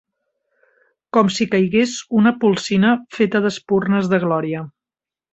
Com si caigués una polsina feta d'espurnes de gloria.